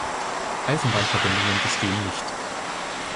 Eisenbahnverbindungen bestehen nicht.